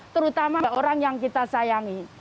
terutama orang yang kita sayangi